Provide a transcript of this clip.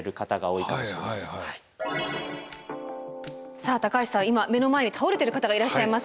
さあ高橋さん今目の前に倒れている方がいらっしゃいます。